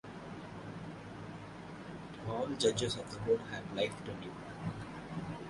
All judges of the court had life tenure.